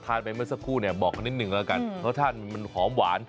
ฐานคลันส์สายหวาน